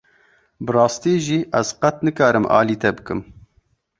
Bi rastî jî ez qet nikarim alî te bikim.